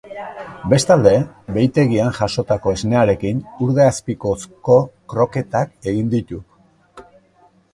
Bestalde, behitegian jasotako esnearekin urdaiazpikozko kroketak egingo ditu.